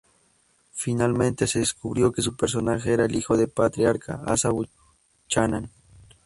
Finalmente se descubrió que su personaje era el hijo del patriarca Asa Buchanan.